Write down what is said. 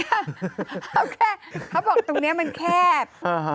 เอาแค่เขาบอกตรงนี้มันแคบ